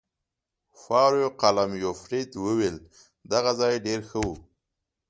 فاروقلومیو فرید وویل: دغه ځای ډېر ښه و.